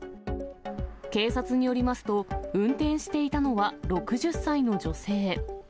警察によりますと、運転していたのは６０歳の女性。